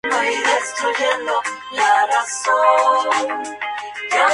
Destaca el cultivo de álamos y cultivos de maíz.